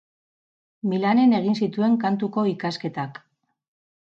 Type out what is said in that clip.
Milanen egin zituen Kantuko ikasketak.